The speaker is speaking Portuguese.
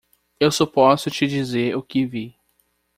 Eu só posso te dizer o que vi.